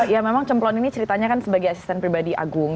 ya memang cemplon ini ceritanya kan sebagai asisten pribadi agung